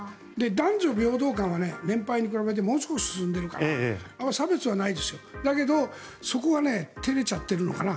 男女平等感は年配に比べてかなり進んでいるから差別はないですけどそこは照れちゃってるのかな。